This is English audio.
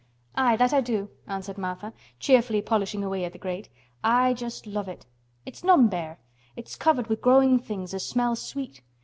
"Aye, that I do," answered Martha, cheerfully polishing away at the grate. "I just love it. It's none bare. It's covered wi' growin' things as smells sweet.